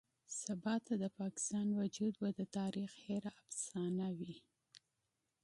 سباته د پاکستان وجود به د تاريخ هېره افسانه وي.